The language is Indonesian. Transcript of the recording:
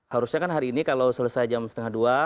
harusnya kan hari ini kalau selesai jam setengah dua